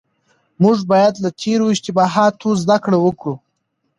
موږ بايد له تېرو اشتباهاتو زده کړه وکړو.